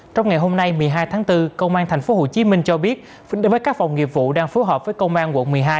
trong ngày hôm nay một mươi hai tháng bốn công an tp hcm cho biết các phòng nghiệp vụ đang phối hợp với công an quận một mươi hai